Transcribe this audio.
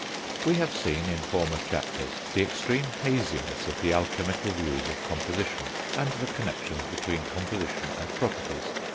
We have seen, in former chapters, the extreme haziness of the alchemical views of composition, and the connexions between composition and properties.